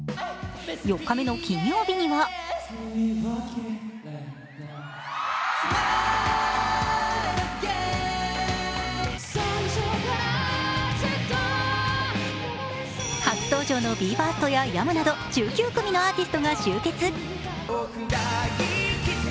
４日目の金曜日には初登場のＢＥ：ＦＩＲＳＴやｙａｍａなど１９組のアーティストが集結。